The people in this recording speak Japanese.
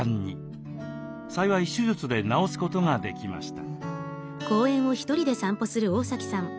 幸い手術で治すことができました。